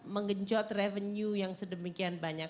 menggencot revenue yang sedemikian banyak